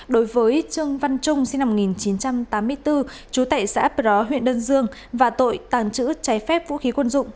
đối với trương văn trung sinh năm một nghìn chín trăm tám mươi bốn chú tệ xã pro huyện đơn dương và tội tàng trữ trái phép vũ khí quân dụng